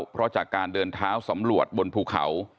เพราะจากการเดินเท้าสำรวจบนภูเขา